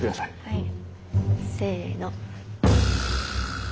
はい。